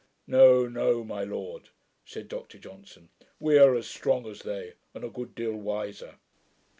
'No, no, my lord,' said Dr Johnson. 'We are as strong as they, and a great deal wiser.'